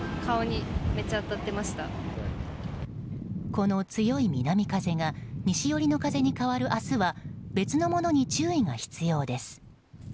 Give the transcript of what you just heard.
この強い南風が西寄りの風に変わる明日は別のものに注意が必要です。